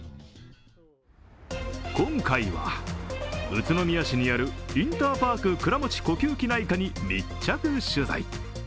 今回は宇都宮市にあるインターパーク倉持呼吸器内科に密着取材。